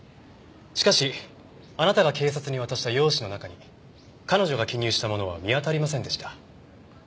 しかしあなたが警察に渡した用紙の中に彼女が記入したものは見当たりませんでした。